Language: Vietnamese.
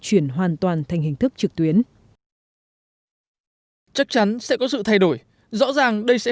chuyển hoàn toàn thành hình thức trực tuyến chắc chắn sẽ có sự thay đổi rõ ràng đây sẽ